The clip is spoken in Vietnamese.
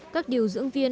các điều dưỡng viên